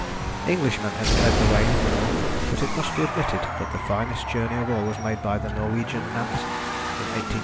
Englishmen had led the way in the North, but it must be admitted that the finest journey of all was made by the Norwegian Nansen in 1893 1896.